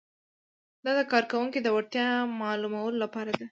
دا د کارکوونکي د وړتیا معلومولو لپاره ده.